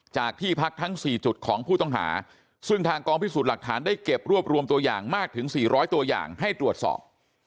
จากที่พักทั้ง๔จุดของผู้ต้องหาซึ่งทางกองพิสูจน์หลักฐานได้เก็บรวบรวมตัวอย่างมากถึง๔๐๐ตัวอย่างให้ตรวจสอบ